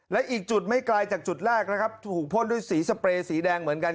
และอีกจุดไม่ไกลจากจุดแรกนะครับถูกพ่นด้วยสีสเปรย์สีแดงเหมือนกัน